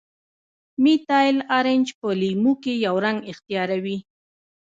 میتایل ارنج په لیمو کې یو رنګ اختیاروي.